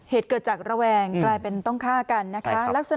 เหตุเกิดจากระแวงกลายเป็นต้องฆ่ากันนะคะ